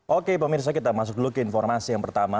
oke pemirsa kita masuk dulu ke informasi yang pertama